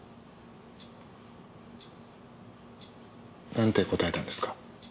なんて答えたんですか？